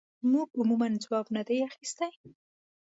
موږ عموماً ځواب نه دی اخیستی.